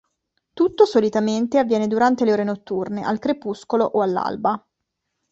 Tutto, solitamente, avviene durante le ore notturne, al crepuscolo o all'alba.